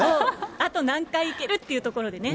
あと何回いけるというところでね。